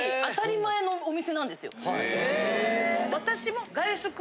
私も。